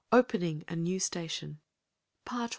*Opening a New Station* *Part I.